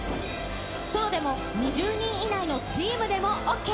ソロでも、２０人以内のチームでもＯＫ。